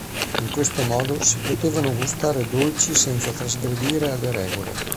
In questo modo si potevano gustare dolci senza trasgredire alle regole.